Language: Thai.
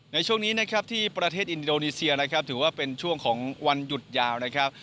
ในช่วงนี้ที่ประเทศอินโดนีเซียถือว่าเป็นช่วงของวันหยุดยาว